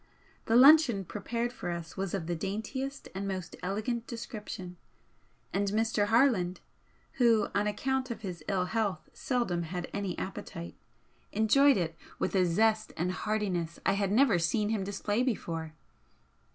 The luncheon prepared for us was of the daintiest and most elegant description, and Mr. Harland, who on account of his ill health seldom had any appetite, enjoyed it with a zest and heartiness I had never seen him display before.